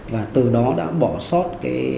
và từ đó đã bỏ sót